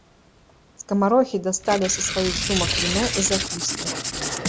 Скамарохі дасталі са сваіх сумак віно і закускі.